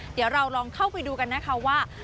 เดี๋ยวเราลองเข้าไปดูกันนะคะว่า